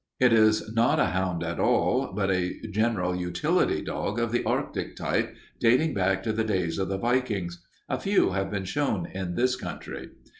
It is not a hound at all, but a general utility dog of the Arctic type, dating back to the days of the Vikings. A few have been shown in this country.